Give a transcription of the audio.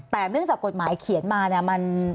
แต่เนื่องจากกฎหมายเขียนมาเนี่ย